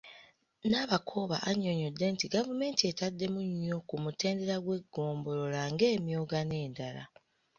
Nabakooba annyonnyodde nti gavumenti etaddemu nnyo ku mutendera gw'eggombolola ng'emyooga n'endala.